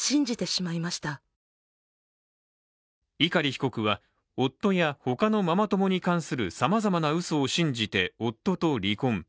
碇被告は、夫や他のママ友に関するさまざまなうそを信じて、夫と離婚。